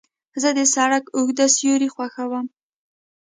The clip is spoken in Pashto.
زه د سړک اوږده سیوري خوښوم.